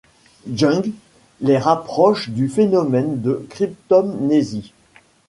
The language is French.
Jung les rapproche du phénomène de cryptomnésie.